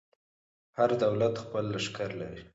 هر دولت خپل لښکر لري.